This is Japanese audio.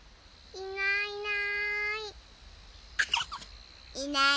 いないいない。